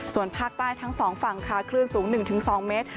ส่วนภาคใต้ทั้งสองฝั่งค่ะคลื่นสูง๑๒เมตร